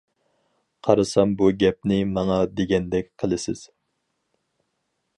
قارىسام بۇ گەپنى ماڭا دېگەندەك قىلىسىز.